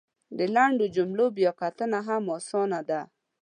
د لنډو جملو بیا کتنه هم اسانه ده !